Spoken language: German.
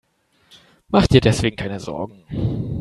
Mach dir deswegen keine Sorgen.